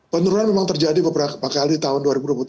penurunan memang terjadi beberapa kali di tahun dua ribu dua puluh tiga